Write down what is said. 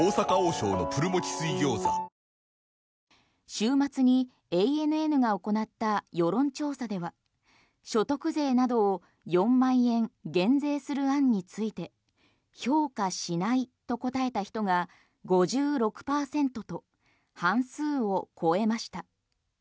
週末にＡＮＮが行った世論調査では所得税などを４万円減税する案について評価しないと答えた人が５６％と半数を超えました。